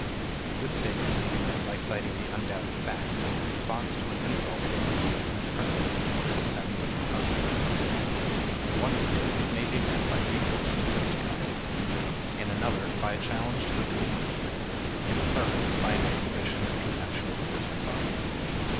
This statement may be met by citing the undoubted fact that response to an insult takes place in different ways in groups having different customs. In one group, it may be met by recourse to fisticuffs, in another by a challenge to a duel, in a third by an exhibition of contemptuous disregard.